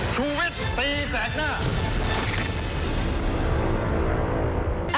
ชูวิตตีแสดหน้า